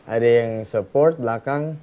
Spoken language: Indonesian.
ada yang support belakang